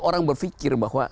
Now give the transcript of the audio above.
orang berpikir bahwa